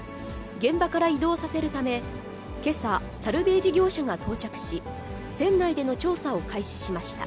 現場から移動させるため、けさ、サルベージ業者が到着し、船内での調査を開始しました。